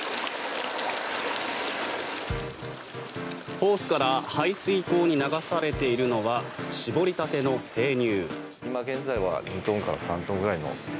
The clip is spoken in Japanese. ホースから排水溝に流されているのは搾りたての生乳。